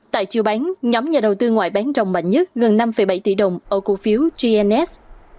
tại chiều bán nhóm nhà đầu tư ngoại bán trồng mạnh nhất gần năm bảy tỷ đồng ở cổ phiếu gns